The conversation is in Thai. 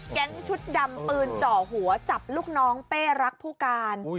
ชุดดำปืนเจาะหัวจับลูกน้องเป้รักผู้การ